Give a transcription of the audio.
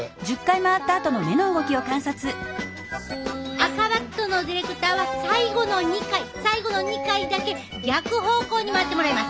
赤バットのディレクターは最後の２回最後の２回だけ逆方向に回ってもらいます！